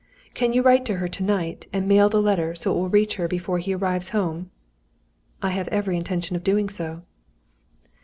"Can you write to her to night, and mail the letter so that it will reach her before he arrives home?" "I have every intention of doing so."